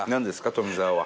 富澤は。